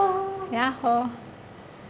ヤッホー。